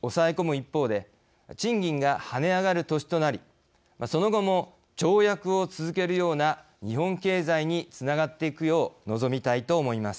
一方で賃金がはね上がる年となりその後も跳躍を続けるような日本経済につながっていくよう望みたいと思います。